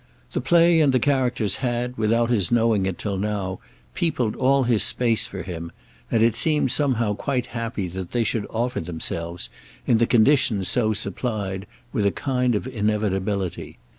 The play and the characters had, without his knowing it till now, peopled all his space for him, and it seemed somehow quite happy that they should offer themselves, in the conditions so supplied, with a kind of inevitability.